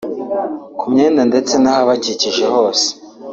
ku myenda ndetse n’ahabakikije hose